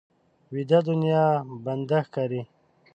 ویده دنیا بنده ښکاري